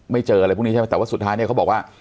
เจออะไรพวกนี้ใช่ไหมแต่ว่าสุดท้ายเนี่ยเขาบอกว่า